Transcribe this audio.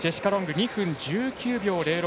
２分１９秒０６。